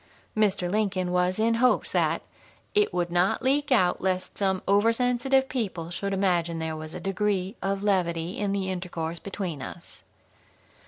Mr. Lincoln was in hopes that "it would not leak out lest some oversensitive people should imagine there was a degree of levity in the intercourse between us."